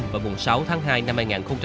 và mùng sáu tháng hai năm hai nghìn một mươi chín